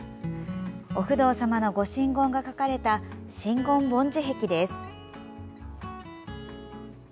お不動様のご真言が書かれた真言梵字壁です。